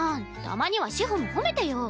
たまには志穂も褒めてよ。